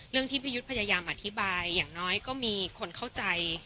ที่พี่ยุทธพยายามอธิบายอย่างน้อยก็มีคนเข้าใจ